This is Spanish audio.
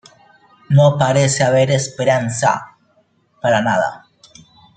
No parece haber esperanza.